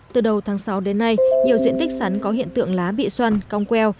từ đầu tháng sáu đến nay nhiều diện tích sắn có hiện tượng lá bị xoăn cong queo